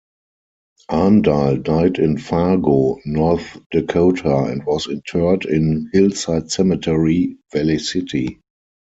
Aandahl died in Fargo, North Dakota and was interred in Hillside Cemetery, Valley City.